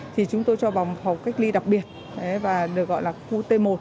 thì chúng tôi cho vào một phòng cách ly đặc biệt và được gọi là khu t một